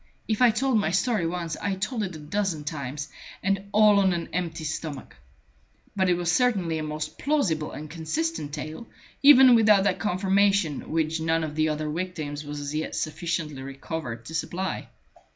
If I told my story once, I told it a dozen times, and all on an empty stomach. But it was certainly a most plausible and consistent tale, even without that confirmation which none of the other victims was as yet sufficiently recovered to supply.